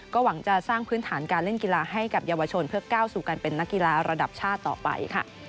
หวังจะสร้างพื้นฐานการเล่นกีฬาให้กับเยาวชนเพื่อก้าวสู่การเป็นนักกีฬาระดับชาติต่อไปค่ะ